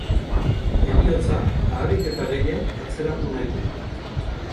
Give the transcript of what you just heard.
Heriotza ahalik eta gehien atzeratu nahi du.